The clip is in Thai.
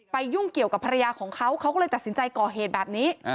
ยุ่งเกี่ยวกับภรรยาของเขาเขาก็เลยตัดสินใจก่อเหตุแบบนี้